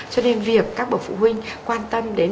cho nên việc các bậc phụ huynh quan tâm đến